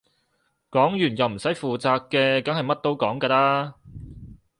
講完又唔使負責嘅梗係乜都講㗎啦